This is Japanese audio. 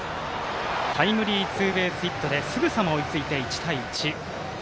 タイムリーツーベースヒットですぐさま追いついて、１対１。